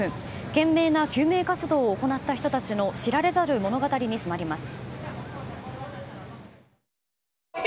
懸命な救命活動を行った人たちの知られざる物語に迫ります。